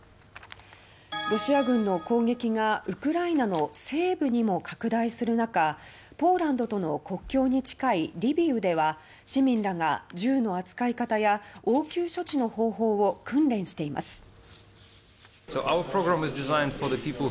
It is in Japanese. ロシア軍の攻撃がウクライナの西部にも拡大する中ポーランドとの国境に近いリビウでは市民らが銃の扱い方や応急処置の方法を訓練しています